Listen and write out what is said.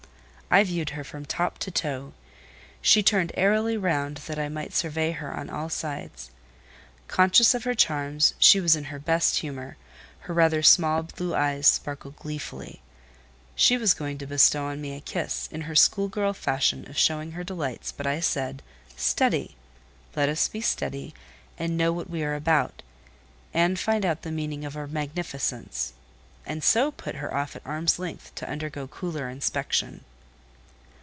I viewed her from top to toe. She turned airily round that I might survey her on all sides. Conscious of her charms, she was in her best humour: her rather small blue eyes sparkled gleefully. She was going to bestow on me a kiss, in her school girl fashion of showing her delights but I said, "Steady! Let us be Steady, and know what we are about, and find out the meaning of our magnificence"—and so put her off at arm's length, to undergo cooler inspection.